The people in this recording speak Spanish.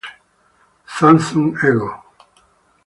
Samsung Ego.